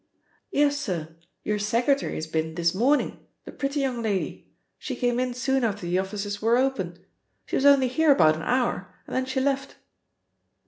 "Yes, sir, your secretary has been this morning, the pretty young lady. She came in soon after the offices were open. She was only here about an hour, and then she left."